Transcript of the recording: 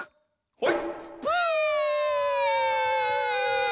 はい！